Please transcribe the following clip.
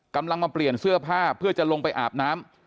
กำลังมาเปลี่ยนเสื้อผ้าเพื่อจะลงไปอาบน้ำ